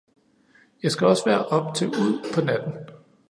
Jeg skal også være oppe til ud på natten